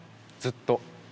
ずっと。